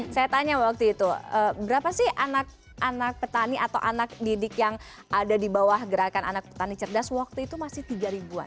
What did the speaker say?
saya tanya waktu itu berapa sih anak petani atau anak didik yang ada di bawah gerakan anak petani cerdas waktu itu masih tiga ribuan